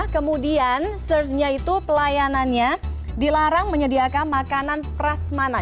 kemudian sejujurnya itu pelayanannya dilarang menyediakan makanan prasmanan